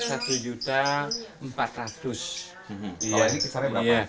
kalau ini kisarnya berapa